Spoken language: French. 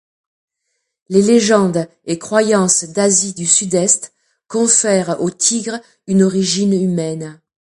Les légendes et croyances d'Asie du Sud-Est confèrent au tigre une origine humaine.